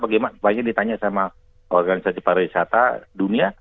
banyak yang ditanya sama organisasi pariwisata dunia